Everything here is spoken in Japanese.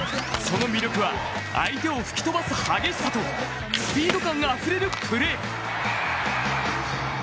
その魅力は相手を吹き飛ばす激しさとスピード感あふれるプレー。